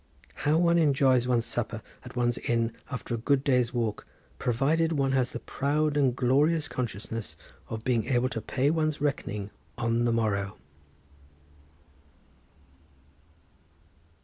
How one enjoys one's supper at one's inn, after a good day's walk, provided one has the proud and glorious consciousness of being able to pay one's reckoning on the morrow!